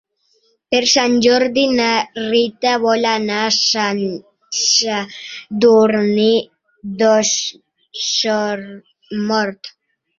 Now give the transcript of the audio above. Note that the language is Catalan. Per Sant Jordi na Rita vol anar a Sant Sadurní d'Osormort.